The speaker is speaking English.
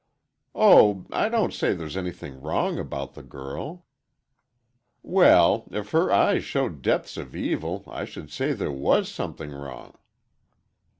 "Oh—I don't say there's anything wrong about the girl—" "Well! If her eyes showed depths of evil, I should say there was something wrong!"